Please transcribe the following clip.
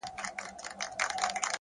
هره هڅه د ځان پرمختګ برخه ده’